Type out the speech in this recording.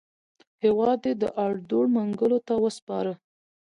هېواد یې د اړدوړ منګولو ته وروسپاره.